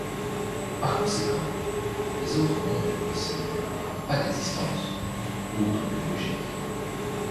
Par conséquent, les autres mondes possibles n'ont pas d'existence, autre que logique.